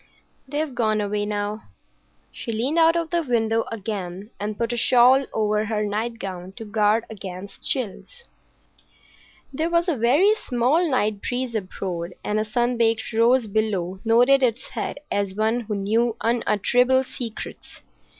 "They've gone away now." She leaned out of the window again, and put a shawl over her nightgown to guard against chills. There was a very small night breeze abroad, and a sun baked rose below nodded its head as one who knew unutterable secrets.